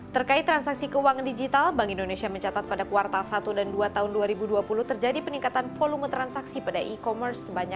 terkait transaksi keuangan digital bank indonesia mencatat pada kuartal satu dan dua tahun dua ribu dua puluh terjadi peningkatan volume transaksi pada e commerce